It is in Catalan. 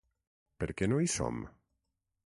Per què no hi som?